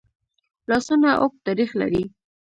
لاسونه اوږد تاریخ لري